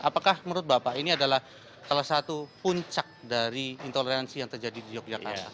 apakah menurut bapak ini adalah salah satu puncak dari intoleransi yang terjadi di yogyakarta